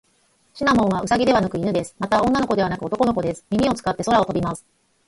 シナモンはウサギではなく犬です。また、女の子ではなく男の子です。耳を使って空を飛びます。